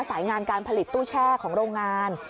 สายงานการผลิตตู้แช่ของโรงงาน